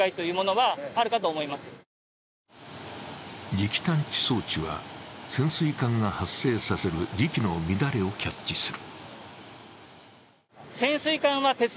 磁気探知装置は潜水艦が発生させる磁気の乱れをキャッチする。